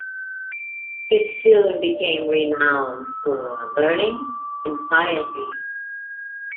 It soon became renowned for learning and piety.